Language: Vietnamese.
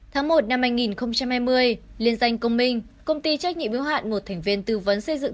tháng một năm hai nghìn hai mươi liên danh công minh công ty trách nhiệm yếu hạn một thành viên tư vấn xây dựng